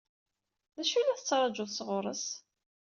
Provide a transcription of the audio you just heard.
D acu i la tettṛaǧuḍ sɣur-s?